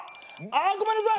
あごめんなさい。